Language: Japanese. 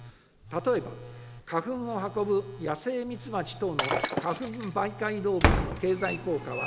例えば、花粉を運ぶ野生ミツバチ等の花粉媒介動物の経済効果は、